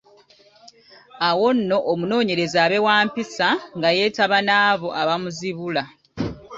Awo nno omunoonyereza abe wa mpisa nga yeetaba n’abo abamuzibula.